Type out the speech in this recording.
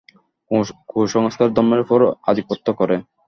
কুসংস্কারই ধর্মের ওপর আধিপত্য করে।